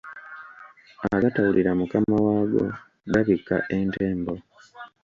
Agatawulira mukama waago gabikka entembo